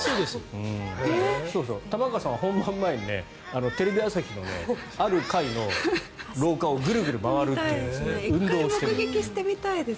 玉川さんは本番前にテレビ朝日のある階の廊下をグルグル回るっていう運動をしてるんです。